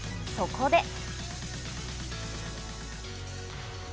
そこで。